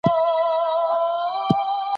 که په کتابچه کي پاڼي کمي وي نو لیکنه نه ځایېږي.